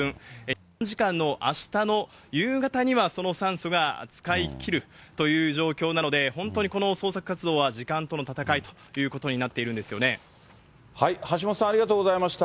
日本時間のあしたの夕方にはその酸素が使い切るという状況なので、本当にこの捜索活動は時間との闘いということになっているんです橋本さん、ありがとうございました。